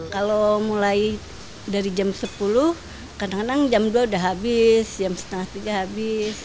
kalau mulai dari jam sepuluh kadang kadang jam dua udah habis jam setengah tiga habis